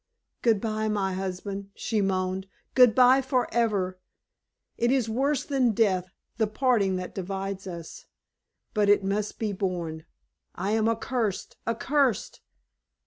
"Good bye, my husband," she moaned; "good bye forever! It is worse than death, the parting that divides us; but it must be borne. I am accursed accursed!"